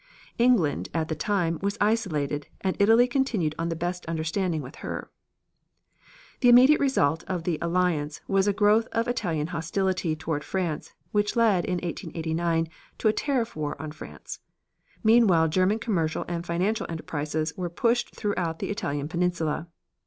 England, at the time, was isolated, and Italy continued on the best understanding with her. The immediate result of the alliance was a growth of Italian hostility toward France, which led, in 1889, to a tariff war on France. Meanwhile German commercial and financial enterprises were pushed throughout the Italian peninsula.